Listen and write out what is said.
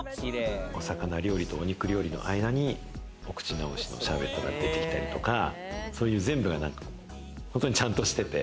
お魚料理とお肉料理の間にお口直しのシャーベットが出てきたりとか、そういう全部がちゃんとしてて。